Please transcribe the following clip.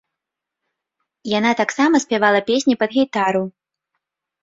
Яна таксама спявала песні пад гітару.